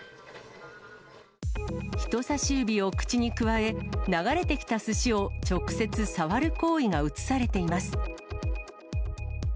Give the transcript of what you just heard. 人さし指を口に加え、流れてきたすしを直接触る行為が写されています。